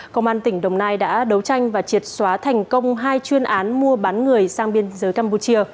công an tỉnh đồng nai đã đấu tranh và triệt xóa thành công hai chuyên án mua bán người sang biên giới campuchia